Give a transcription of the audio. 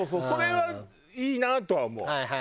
それはいいなとは思う。